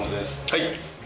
はい。